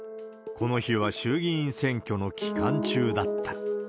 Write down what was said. この日は衆議院選挙の期間中だった。